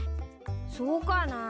そうかな。